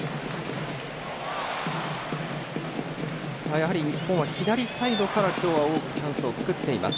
やはり日本は左サイドから今日は多くチャンスを作っています。